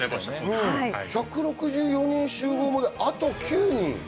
１６４人集合まであと９人。